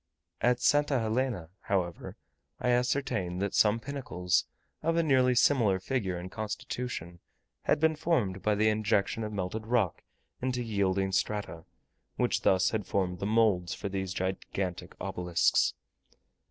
At St. Helena, however, I ascertained that some pinnacles, of a nearly similar figure and constitution, had been formed by the injection of melted rock into yielding strata, which thus had formed the moulds for these gigantic obelisks.